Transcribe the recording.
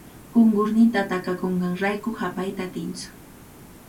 Qunqurninta takakunqanrayku hapayta atintsu.